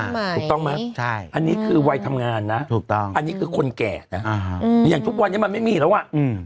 ถูกต้องไหมใช่อันนี้คือวัยทำงานนะถูกต้องอันนี้คือคนแก่นะอ่าฮะอืมอย่างทุกวันนี้มันไม่มีแล้วอ่ะอืม